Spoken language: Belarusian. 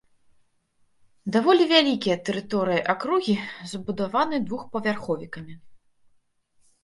Даволі вялікія тэрыторыі акругі забудаваны двухпавярховікамі.